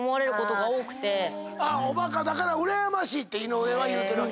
おバカだからうらやましいって井上は言うてるわけ。